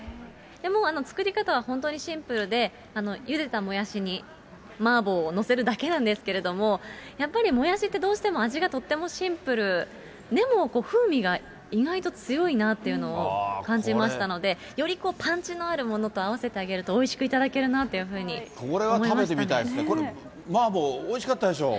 でも作り方は本当にシンプルで、ゆでたもやしに、麻婆を載せるだけなんですけれども、やっぱり、もやしってどうしても、味がとってもシンプル、でも、風味が意外と強いなっていうのを感じましたので、よりパンチのあるものと合わせてあげるとおいしく頂けるなというこれは食べてみたいですね。